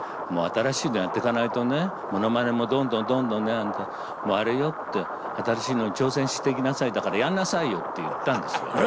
もう新しいのやっていかないとねものまねもどんどんどんどんあんたあれよって新しいのに挑戦していきなさいだからやんなさいよって言ったんですよ。